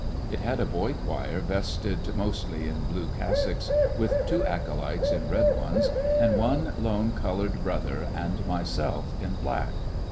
It had a boy choir vested mostly in blue cassocks, with two aco lytes in red ones, and one lone colored brother and myself in black.